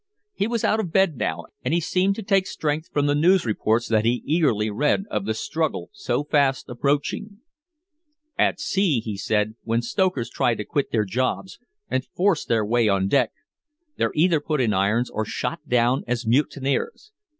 He was out of bed now and he seemed to take strength from the news reports that he eagerly read of the struggle so fast approaching. "At sea," he said, "when stokers try to quit their jobs and force their way on deck, they're either put in irons or shot down as mutineers.